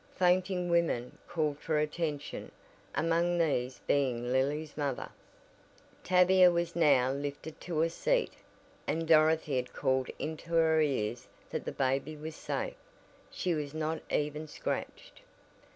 Fainting women called for attention among these being Lily's mother. Tavia was now lifted to a seat, and Dorothy had called into her ears that the baby was safe she was not even scratched!